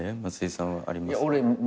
松居さんはあります？